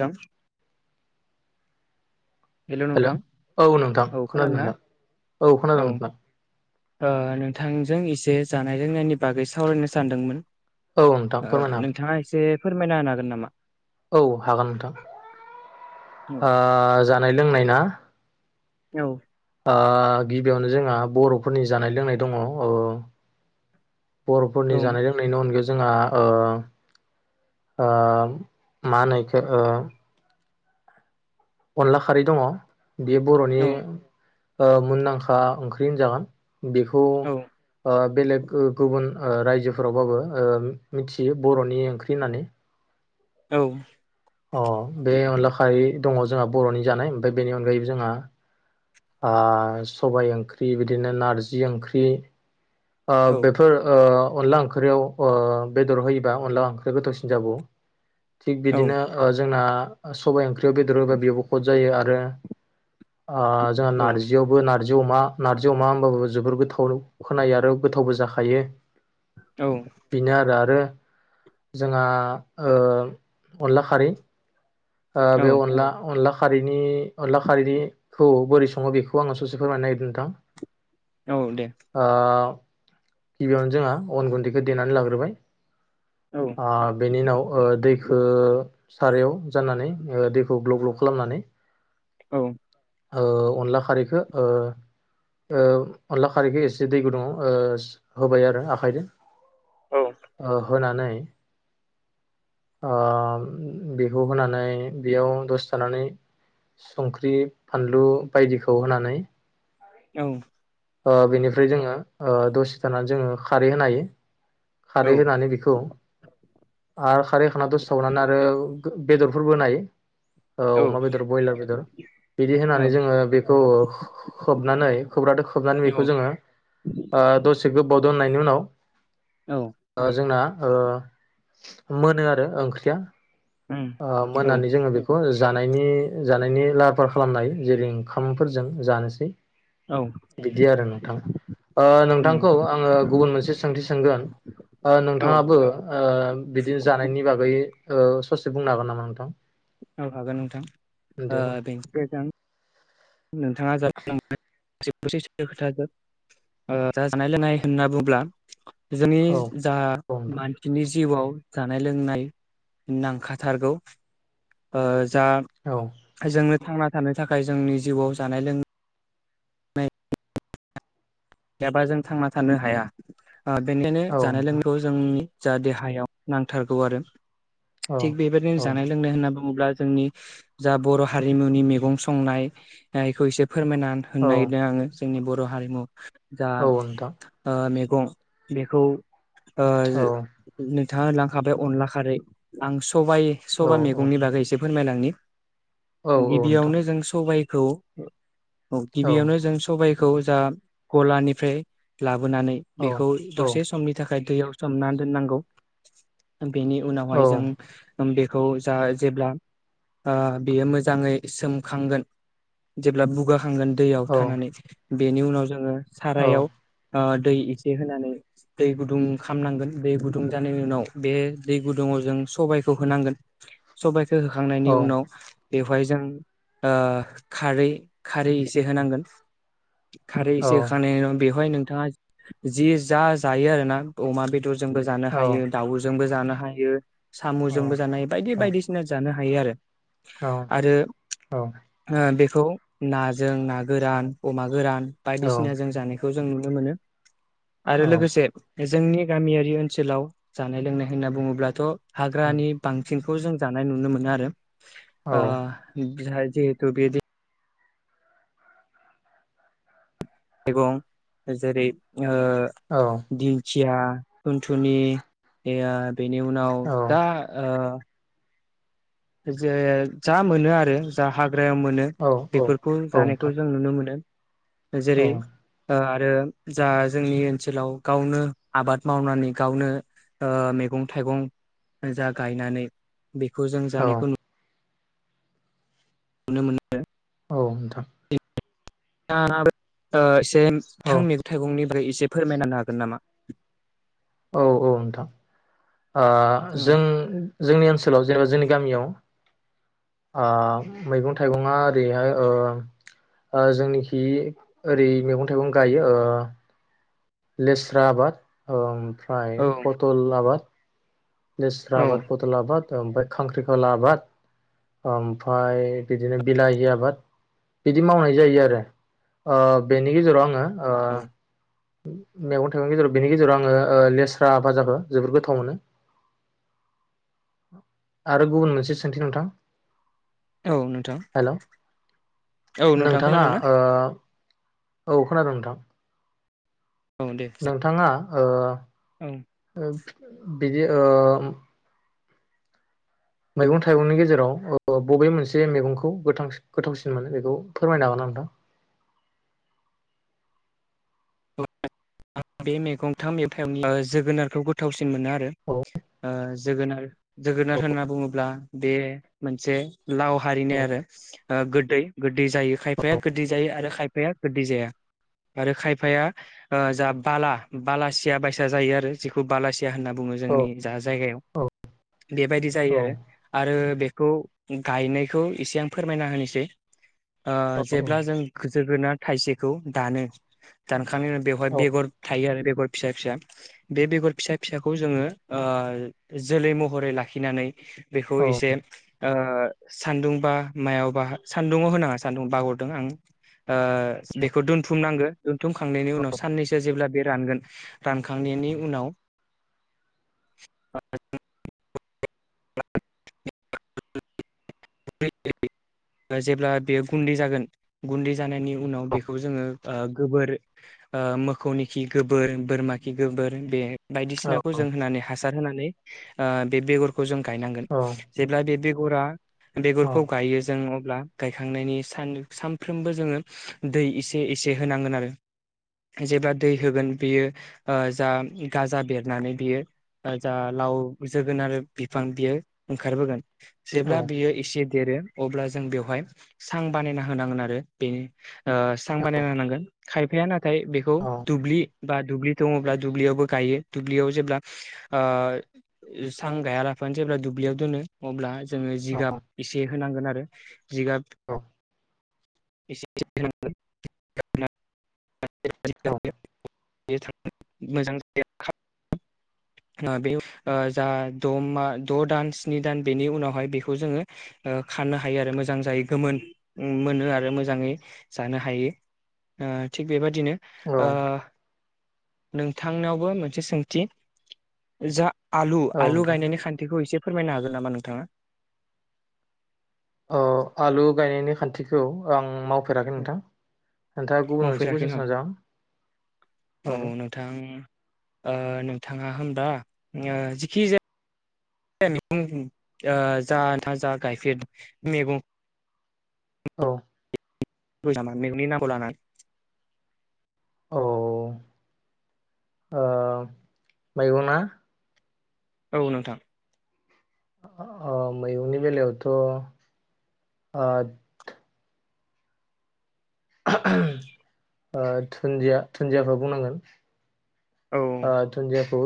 नोंथां [unintelligible] हेल' औ नोंथां औ खोनादों खोनादोंना नोंथां औ खोनादों नोंथां। ओ नोंथांजों इसे जानाय लोंनायनि बागै सावरायनो सानदोंमोन। औ नोंथां ओ फोरमायनो हागोन। नोंथाङा एसे फोरमायना होनो हागोन नामा। औ हागोन नोंथां औ ओ जा जानाय लोंनाय ना। औ ओ गिबियावनो जोंहा बर'फोरनि जानाय लोंनाय दङ ओ बर'फोरनि औ जानाय लोंनायनि अनगायै जोंहा ओ-ओम मा होनो इखो ओ- अनला खारै दङ'। बेयो बर'नि औ ओ मुंदांखा ओंख्रि होनजागोन। बेखौ औ ओ बेलेग ओ गुबुन ओ रायजोफोरावबाबो ओ मिथियो बर'नि ओंख्रि होननानै औ। अह बे अनला खारि। दङ' जोंहा बर'नि जानाय ओमफ्राय बेनि अनगायै जोंहा ओ सबाय ओंख्रि बिदिनो नारजि ओंख्रि। ओ बेफोर ओ अनला ओंख्रियाव ओ बेदर होयोबा अनला ओंख्रिया गोथावसिन जाबावो। थिग बिदिनो ओ जोंना ओ ओ सबाय ओंख्रि बेयाव बेदर होबा बिब खद जायो आरो। [unintelligible] ओ जोंहा नारजियावबो नारजि जि अमा नारजि अमा होनबाबो जोबोर गोथाव अरौ खोनायो आरो औ गोथावबो जाखायो। औ बिनो आरो आरो। जोंहा ओ अनला खारै। ओ औ बे अनला अनला। खारैनि अनला खारैनि खौ बोरै सङो बेखौ आङो ससे फोरमायनो नागिरदों नोंथां। औ दे ओ। गिबियावनो जोंहा अन गुन्दैखौ देनानै लाग्रोबाय। औ ओ बेनि उनाव ओ दैखो सारायाव। जाननानै ओ दैखौ ग्लब ग्लब खालामनानै। औ। ओ अनला खारैखो ओ औ अनला खारैखो एसे दै गुदुङाव ओस होबाय आरो आखाइजों। औ ओ होनानै। [unintelligible] बिखौ होनानै बेयाव दसे थानानै संख्रि फानलु बायदिखौ होनानै। औ। ओ बेनिफ्राय जोङो ओ दसे थानानै जोङो खारै होनो हायो। औ खारै होनानै बिखौ। आर खा साराय खाना दसथाबावनानै आरो बेदरफोरबो होनो हायो औ ओ अमा बेदर ब्रयलार बेदर बिदि होनानै जोङो बेखौ खो-खोब नानै खौबग्रादो खो खोबनानै बेखौ जोङो ओ दसे गोबाव दोननायनि उनाव औ ओ जोंना ओ मोनोआरो ओंख्रिया उम ओ औ मोननानै जोङो बेखौ ज जानायनि जानायनि लाहार फाहार खालामनाय जेरै ओंखामफोरजों जानोसै बिदि आरो नोंथां ओ नोंथांखौ आङो गुबुन मोनसे सोंथि सोंगोन उम औ नोंथाङाबो ओ बिदिनो जानायनि बागै ओ ससे बुंनो हागोन नामा नोंथां? औ हागोन नोंथां ओ दे बुं बेंको जों नोंथाङा दासो बुंलांनाय स-ससे खोथाजों ओ जानाय लोंनाय होनना बुंब्ला जोंनि औ जा औ नोंथां मानसिनि जिउवाव जानाय लोंनाय नांखाथारगौ ओ जा औ जोंनो थांना थानो थाखाय जोंनि जिउआव जानाय लों गैयाबा जों थांना थानो हाया । ओ बेनिखायनो औ जानाय नोंथां लोंनायखौ जोंनि जा देहायाव नांथारगौआरो औ थिग बेबायदिनो औ जानाय लोंनाय होनना बुं बुंब्ला जोंनि जा बर' हारिमुनि मैगं संनायखौ इसे फोरमायना औ होनो नागिरदों आङो जोंनि बर' हारिमु जा नोंथां ओ मे गं बेखौ ओ जो औ नो नोंथाङा होनलांखाबाय अनला खारै आं स सबाइ औ सबाइ औ मैगंनि बागै इसे फोरमायलांनि औ नोंथां गिबियावनो जों सबाय औ औ गिबियावनो जों सबाइ खौ जा गलानिफ्राय लाबो नानै औ बेखौ औ दसे औ समनि थाखाय दैयाव सोमनानै दोननांगौ बेनि औ उनावहाय जों बेखौ जा जेब्ला ओ बेयो मोजाङै सोमखांगोन जेब्ला बुगा खांगोन दैयाव थानानै बेनि उनाव जोङो। सारायाव ओ दै एसे होनानै दै गुदुं खालामनांगोन दै गुदुं जानायनि उनाव बे दै गुदुाव जों सखौ होनांगोन सबाइ खो होखांनायनि उनाव बेवहाय जों ओ खारै खारै एसे होनांगोन। खारैसे बेवहाय नोंथाङा जि जा जायो आरोना अमा बेद र जोंबो जानो हायो दाउजोंबो जानो हायो। साम'जोंबो जानो हायो बायदि बायदिसिना जानो हायो आरो आरो ओ बे खौ नाजों ना गोरान अमा गोरान औ बायदिसिना जों जानायखौ जों नुनो मोनो आरो लोगोसे जोंनि गामियारि ओनसोलाव जानाय लोंनाय होनना बुङोब्लाथ' हाग्रानि बांसिन खौ जों जानाय नुनो मोनो आरो आ बिहारि जिहेथु बेदि मैगं जेरै- ओ दिंखि या थुनथुनि बेनि उनाव दा ओ जे जा मोनो आरो जा हा ग्रोयाव मोनो औ औ बेफोरखौ नोंथां जानायखौ जों नुनो मोनो औ जेरै ओ आरो जा जोंनि ओनसोलाव गावनो आबाद मावनानै गावनो ओ मेगं थाइगं जा गायनानै बेखौ औ जानायखौ नु नो मोनो औ नोंथां [unintelligible] [unintelligible] फ्राय औ एसे फोरमायना होनो हागोन नामा? औ औ नोंथां ओ औ जों जोंनि ओनसोलाव जेनेबा जोंनि गामियाव ओ मैगं थाइगङा ओरैहाय ओ ओ जोंनिखि ओरै मैगं थाइगं गायो ओ लेस्रा आबाद ओम फ्राय औ पथल आबाद लेस्रा आबाद पटल आबाद ओमफ्राय खांख्रिखला आबाद ओमफ्राय बिदिनो बिलाहि आबाद बिदि मावनाय जायो आरो ओ बेनि गेजेराव आङो ओ औ मेगं थाइगंनि गेजेराव बेनि गेजेराव आङो ओ लेस्रा भाजाखौ जोबोद गोथाव मोनो आरो गुबुन मोनसे सोंथि नोंथां? औ नोंथां हेल' औ नोंथां नोंथाङा खोनादोंना? ओ औ खोनादों नोंथां औ दे नोंथाङा ओ औ बिदि ओ मैगं थाइगंनि गेजेराव ओ बबे मोनसे मेगंखौ गोथां गोथावसिन मोनो बेखौ फोरमायनो हागोनना नोंथां? आं बे [unintelligible] जोगोनारखौ गोथावसिन मोनो आरो औ ओ जोगोनार जोगोनार होनना बुङोब्ला बे मोनसे लाव हारिनि आरो ओ गोदै गो जायो खायफाया गोदै जायो आरो खायफाया गोदै जाया आरो खायफाया ओ जाब बाला बालासिया बायसा जायो आरो जखौ बालासि होनना बुङो औ जोंनि जा जायगायाव औ बेबायदि जायो आरो बे खौ गायनायखौ एसे आं फोरमायना होनो सै ओ जेब्ला जों गोजो जोगोना थाइसेखौ दानो दानखांनायनि उनाव बेवहाय औ बेगर रो बेगर फिसा फिसा बे बेगर फिसा फिसाखौ जोङो ओ जोलै महरै लाखिनानै बेखौ औ इसे ओ सान्दुंबा मायावबा सान्दुङाव होनाङा सानदुं बागरदों आं ओ बेखौ दोनथुम नांगो दोनथुमखांनायनि उनाव साननैसो जेब्ला बे रानगोन रानखांनाय उनाव [unintelligible] जेब्ला बेयो गुन्दै जागोन गुन्दै जानायनि उनाव बेखौ जोङो ओ गोबोर ओ मोखौनि गोबोर बोरमा खि गोबोर बे औ बायदिसिनाखौ जों होनानै हासार होना हा बे बेगर खौ जों गायनांगोन जेब्ला बे फोरा बेगरखौ गायो जों अ ब्ला गायखांनायनि सान सानफ्रोमबो जोङो दै एसे एसे होनांगोन आरो जेब्ला दै होगोन बियो ओ जा गाजा बेरनानै बियो जा लाव जोगोनार बिफां बियो ओंखारबोगोन। जेब्ला औ बियो इसे देरो अब्ला जों बेवहाय सां बानायना होनांगोन आरो बे ओ सां बानायना होनांगोन खायफाया नाथाय दुब्लि बा दुब्लि दङब्ला दुब्लियावबो गायो दुब्लियाव जेब्ला ओ सां गायालाफानो जेब्ला दुब्लियाव दोनो अब्ला जोङो जिगाब एसे होनांगोन आरो [inaudible] जिगाब [inaudible] [inaudible] औ [inaudible] [unintelligible] ओ द' मा द' दान स्नि दान बेनि उनावहाय बेखौ जोङो ओ खानो हायो आरो मोजां जायो गोमोन मोनो आरो मोजाङै जानो हायो। ओ थिग बेबा दिनो औ औ ओ नोंथांनावबो मोनसे सोंथि जा आलु औ आलु नोंथां गायनानानै खान्तिखौ एसे फोरमायनो हागोन नामा नोंथांङा? अ आलु गायनायनि खान्थिखौ आं माव फेराखै नोंथां नोंथांङा गुबुन मोनसे मावफेराखै कुइसन न सोंजागोन ओहो। ओ नोंथांङा होमबा ओ जिखि जाया मैगं ओ जा नोंथां आं जा गायफेर मैगं औ। [unintelligible] मेगंनि नामखौ लाना औ ओ मैगंना औ नोंथां। [inaudible] अ मैगंनि बेलायावथ' ओ। ओ दुन्दिया दुन्दियाखौ बुंनांगोन। औ ओ दुन्दिया। खौ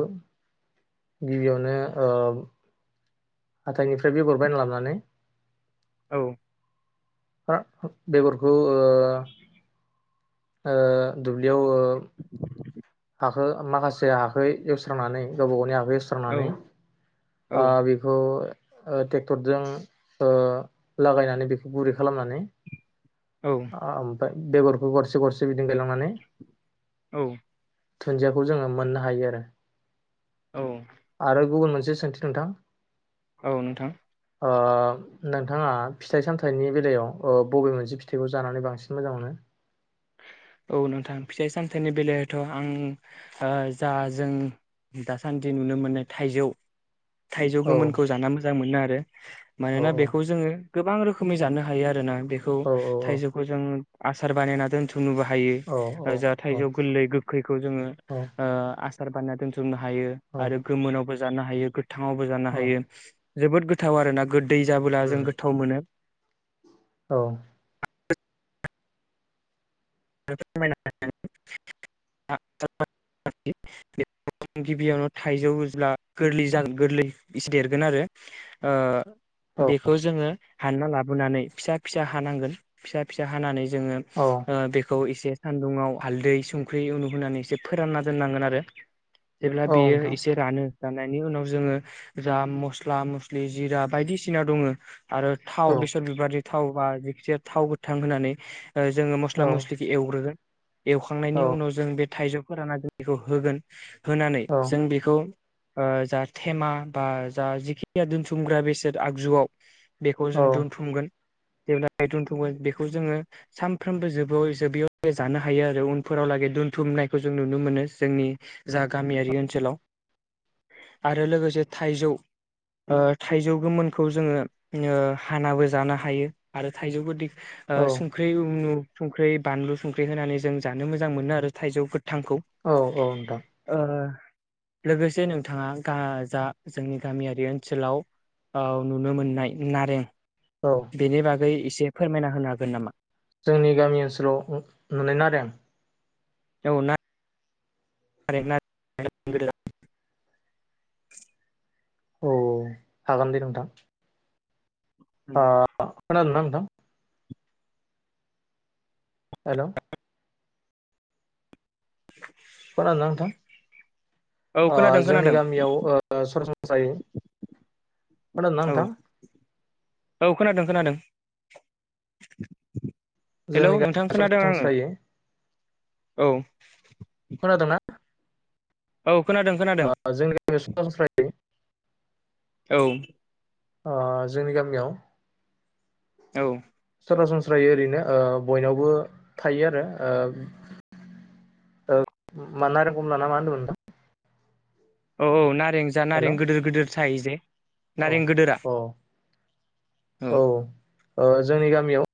गिबियावनो ओ हाथायनिफ्राय बेगर बायना लाबानै औ। बा बेगरखौ ओ ओ दुब्लियाव ओ हाखौ माखासे हाखौ एवस्रांनानै गावबा गावनि हा स्रांनानै औ औ ओ बेखौ ओ टेक्टरजों ओ लागायनानै बेखौ गुरै खालामनानै औ आ। फाय बेगरखौ गरसे गरसे बिदिं गायलांनानै औ। दुन्दियाखौ जोंङो मोननो हायो आरो। औ आरो गुबुन मोन मोनसे सोंथि नोंथां। औ नोंथां। ओ नोंथांङा फिथाइ सामथाइनि बेलायाव ओ बबे मोनसे फिथाइखौ जानानै बांसिन मोजां मोनो? औ नोंथां फिथाइ सामथाइनि बेलायावथ' आं ओ जा जों दासान्दि नुनो मोननाय थाइजौ थाइजौ औ गोमोनखौ जाना मोजां मोनो आर औ मानोना बेखौ जोंङो गोबां रोखोमै जानो हायो आरोना। बेखौ औ थाइजौखौ जों आसार बानायना दोनथ नोबो औ हायो औ जाथाइजौ गोरलै गोखैखौ जोंङो औ ओ आस सार बाननाय दोन्थुमनो हा हायो आरो गोमोनावबो जानो हायो गो थांङावबो जानो औ हायो। जोबोद गोथाव आरो ना गोदै जाबोला जों गोथाव मोनो [unintelligible] [inaudible] गिबियावनो थाइजौब्ला गोरलै जा गोरलै इसे देरगोन आरो ओ बेखौ जोङो हानना लाबोनानै फिसा फिसा हानांगोन फिसा फिसा हानानै जों उम औ ओ बेख खौ इसे सानदुंयाव हालदै संख्रि उनुहोनानै एसे फोरानना दोननांगोन आरो जेब्ला औ बेयो नोंथां एसे रानो जानायनि उनाव जोङो जा मस्ला मस्लि जिरा बायदिसिना दङो आरो थाव औ बेसर बेबादि थाव बा जेखिजा थाव गोथां होनानै ओ जोङो मस्ला औ मस्लि एवग्रोगोन एवखांनायनि औ उनाव जों बे थाइजौ फोरानना दोननायखौ होगोन होनानै जों बेखौ ओ जा थेमा बा जा जिखि [unintelligible] या दोनथुमग्रा बेसाद आगजुआव बेखौ औ जों दोनथुमगोन जेब्ला हाय दोनथुमगोन बेखौ जोङो सानफ्रोमबो जोबोयै जों बेयाव जानो हायो आरो उनफोरावलागै दोनथुमनायखौ जों नुनो मोनो जोंनि जा गामियारि ओनसोलाव आरो लोगोसे थाइजौ ओ थाइजौ गोमोनखौ जोङो ङो हानाबो जानो हायो आरो थाइजौ गोदै ओ संख्रै उनु संख्रै बानलु संख्रि होनानै जों जानो मोजां मोनो आरो थाइजौ फोद थांखौ औ नोंथां ओ लोगोसे नोंथाङा गा जा जोंनि गामियारि ओनसोलाव ओ नुनो मोननाय नारें औ बेनि बागै इसे फोरमायना होनो हागोन नामा जोंनि गामि ओनसोलाव उ नुनाय नारें औ ना नारें [unintelligible] [inaudible] औ औ हागोन दे नोंथां आ खोनादो ना नों थां हेल' खोनादोंना नोंथां? औ ओ खोनादों जोंनि खोनादों गामियाव ओ सरा जायो। खोनादोंना औ नोंथां? औ खोनादों खोनादों। हेलौ जोंनि नोंथां गामियाव खोनादों आङो। सरासनस्रायै औ खोनादोंना? औ खोनादों खोनादों अ जोंनि गामियाव सनस्रायै। औ अ जोंनि गामियाव औ सरासनस्रायै ओरैनो ओ बयनावबो थायो आरो ओ मा नारें खमला ना ना मा होनदोंमोन नोंथां? औ औ ना रें जा नारें हेल' गोदोन गोदोर सायोजे अ नारें गोदोरा अ औ ओ जोंनि गामियाव